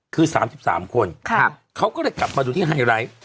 คือ๓๓คนเขาก็เลยกลับมาดูที่ไฮไลท์